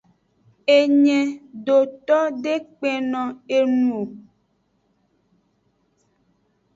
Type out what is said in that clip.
Engedoto de kpenno eng o.